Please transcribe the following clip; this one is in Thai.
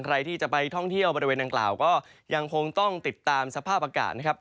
ใครที่จะไปท่องเที่ยวบริเวณดังกล่าวก็ยังคงต้องติดตามสภาพอากาศนะครับ